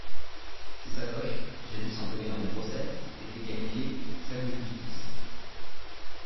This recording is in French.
Ces sacoches, jadis employées dans les procès, étaient qualifiées « sacs de justice ».